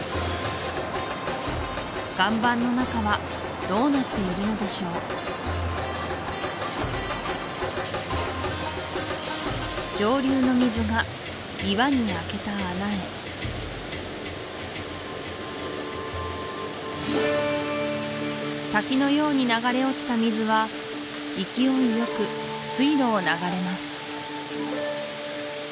岩盤の中はどうなっているのでしょう上流の水が岩に開けた穴へ滝のように流れ落ちた水は勢いよく水路を流れます